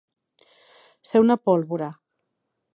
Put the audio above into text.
Ser una pólvora.